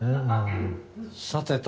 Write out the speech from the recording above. さてと。